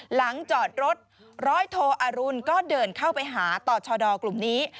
หลังจอดรถร้อยโทอรุณก็เดินเข้าไปหาต่อชดกลุ่มนี้